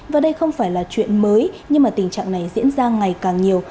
và đây không phải là chuyện mới nhưng mà tình trạng này diễn ra ngày càng nhiều